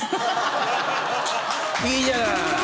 いいじゃない！